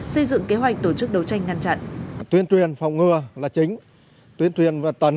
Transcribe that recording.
xây dựng kế hoạch tổ chức đấu tranh ngăn chặn